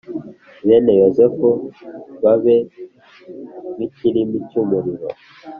bene yozefu babe nk’ikirimi cy’umuriro,